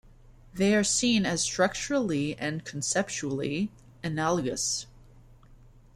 They are seen as structurally and conceptually analogous.